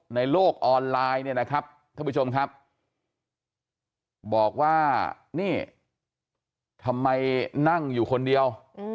ในโลกออนไลน์เนี่ยนะครับท่านผู้ชมครับบอกว่านี่ทำไมนั่งอยู่คนเดียว